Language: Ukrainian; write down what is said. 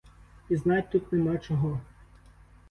І знать тут нема чого.